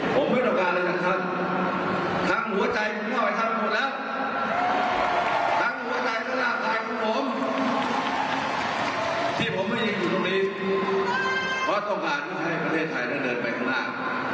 เพื่อให้ประเทศไทยได้เดินไปข้างหน้า